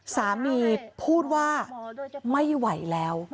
สามีพูดว่าไม่ไหวแล้ว